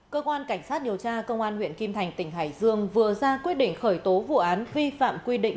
cơ quan cảnh sát điều tra công an huyện kim thành tỉnh hải dương vừa ra quyết định khởi tố vụ án vi phạm quy định